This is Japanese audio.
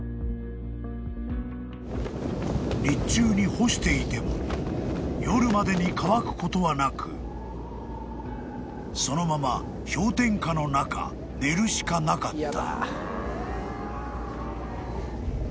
［日中に干していても夜までに乾くことはなくそのまま氷点下の中寝るしかなかった］